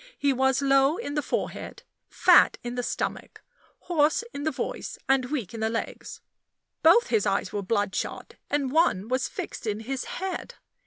He was low in the forehead, fat in the stomach, hoarse in the voice, and weak in the legs. Both his eyes were bloodshot, and one was fixed in his head.